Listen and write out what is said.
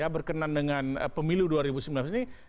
berkenan dengan pemilu dua ribu sembilan belas ini